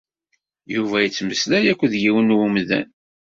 Yuba yettmeslay akked yiwen umdan.